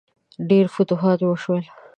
ډیر فتوحات وشول.